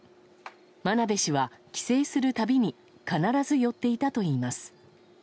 真鍋氏は帰省する度に必ず寄っていたといいます。